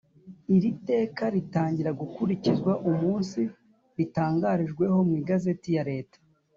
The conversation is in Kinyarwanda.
Iri teka ritangira gukurikizwa umunsi ritangarijweho mu igazeti ya Leta